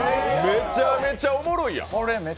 めちゃめちゃおもろいやん！